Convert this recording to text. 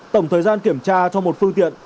tổng thời gian kiểm tra cho một phương tiện